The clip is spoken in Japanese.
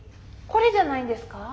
これじゃないんですか？